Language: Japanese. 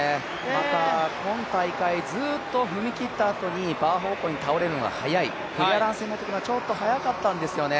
また今大会ずっと踏み切ったあとにバー方向に倒れるのが早い、クリアランスのときがちょっと早かったんですよね。